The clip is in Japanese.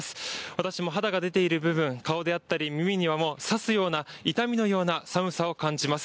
私も肌が出ている部分、顔であったり、耳にはもう、刺すような、痛みのような寒さを感じます。